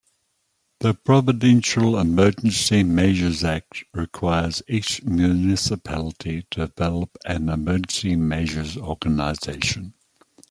The provincial Emergency Measures Act requires each municipality to develop an emergency measures organization.